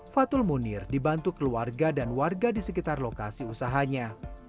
fatul munir dibantu keluarga dan warga di sekitar lokasi usahanya